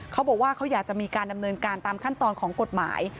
เขาบอกว่าเขาอยากจะมีการดำเนินการตามขั้นตอนของกฎหมาย